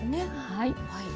はい。